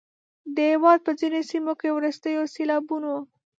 د هیواد په ځینو سیمو کې وروستیو سیلابونو